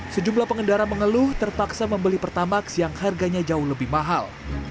sejumlah pengendara mengeluh terpaksa membeli pertamax yang harganya jauh lebih mahal